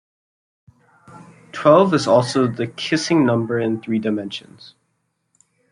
Twelve is also the kissing number in three dimensions.